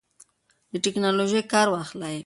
له ټیکنالوژۍ کار واخلئ.